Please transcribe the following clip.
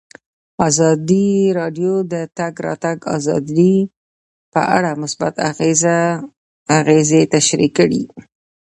ازادي راډیو د د تګ راتګ ازادي په اړه مثبت اغېزې تشریح کړي.